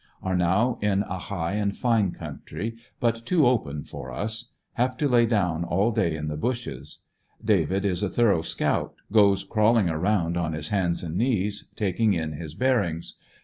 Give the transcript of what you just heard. Are now in a high and fine country, bat too open for us. Have to lay down all di^y in the bushes. David is a thorough scout. Goes crawling around on his hands and knees taking in his bearings.